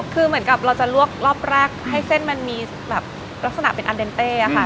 คือเหมือนกับเราจะลวกรอบแรกให้เส้นมันมีแบบลักษณะเป็นอันเดนเต้ค่ะ